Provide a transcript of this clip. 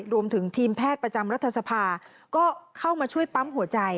รวมถึงทีมแพทย์ประจำรัฐสภาก็เข้ามาช่วยปั๊มหัวใจ